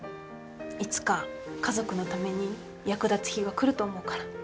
いつか家族のために役立つ日が来ると思うから。